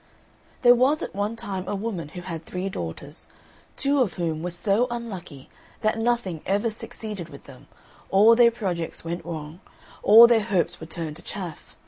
There was at one time a woman who had three daughters, two of whom were so unlucky that nothing ever succeeded with them, all their projects went wrong, all their hopes were turned to chaff.